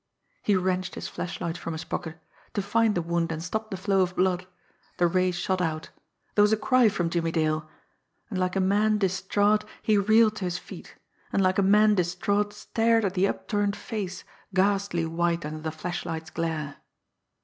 He wrenched his flashlight from his pocket. To find the wound and stop the flow of blood! The ray shot out there was a cry from Jimmie Dale and like a man distraught he reeled to his feet and like a man distraught stared at the upturned face, ghastly white under the flashlight's glare.